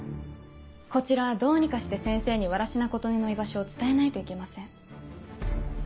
こちらはどうにかして先生に藁科琴音の居場所を伝えないといけません。